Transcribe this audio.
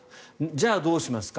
じゃあ、どうしますか。